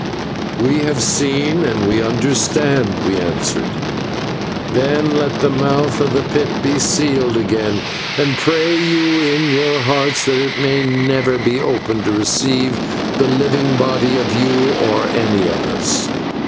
"We have seen, and we understand," we answered. "Then let the mouth of the pit be sealed again, and pray you in your hearts that it may never be opened to receive the living body of you or of any of us.